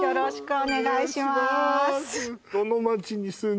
お願いしまーす